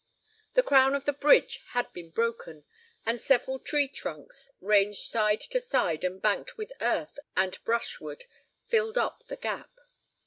The crown of the bridge had been broken, and several tree trunks, ranged side to side and banked with earth and brushwood, filled up the gap.